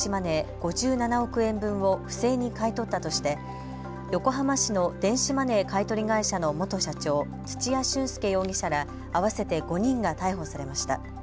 ５７億円分を不正に買い取ったとして横浜市の電子マネー買い取り会社の元社長、土屋峻輔容疑者ら合わせて５人が逮捕されました。